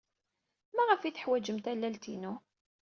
Maɣef ay teḥwajem tallalt-inu?